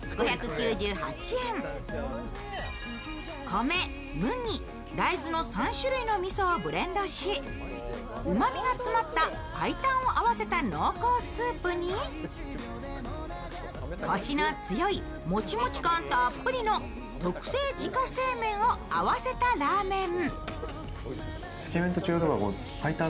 米、麦、大豆の３種類のみそをブレンドし、うまみが詰まった白湯を合わせた濃厚スープにコシの強いもちもち感たっぷりの特製自家製麺を合わせたラーメン。